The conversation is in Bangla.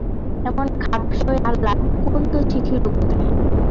এমন খাপসই আলাপ কুন্দ শিখিল কোথায়?